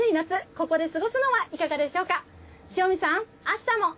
ここで過ごすのはいかがでしょうか。